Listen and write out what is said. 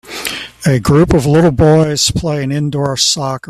A group of little boys playing indoor soccer